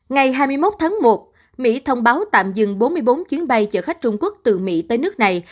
ngày hai mươi một tháng một mỹ thông báo tạm dừng bốn mươi bốn chuyến bay chở khách trung quốc từ mỹ tới nước này